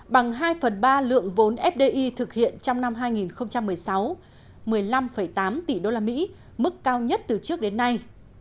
bằng hai phần ba lượng vốn fdi thực hiện trong năm hai nghìn một mươi sáu một mươi năm tám tỷ usd mức cao nhất từ trước đến nay